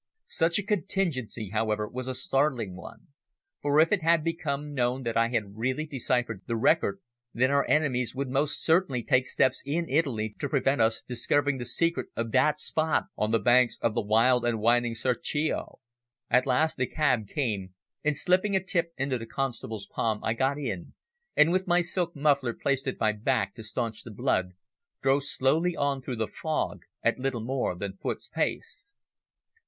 Such a contingency, however, was a startling one, for if it had become known that I had really deciphered the record, then our enemies would most certainly take steps in Italy to prevent us discovering the secret of that spot on the banks of the wild and winding Serchio. At last the cab came, and, slipping a tip into the constable's palm, I got in, and with my silk muffler placed at my back to staunch the blood, drove slowly on through the fog at little more than foot's pace.